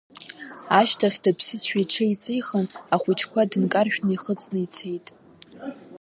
Ашьҭахь, дыԥсызшәа иҽеиҵихын, ахәыҷқәа дынкаршәны ихыҵны ицеит.